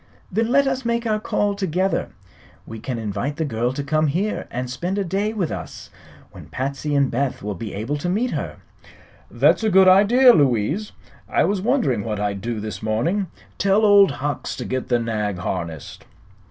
"Then let us make our call together. We can invite the girl to come here and spend a day with us, when Patsy and Beth will be able to meet her." "That's a good idea, Louise. I was wondering what I'd do this morning. Tell Old Hucks to get the nag harnessed."